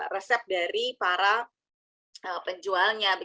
resep dari para penjualnya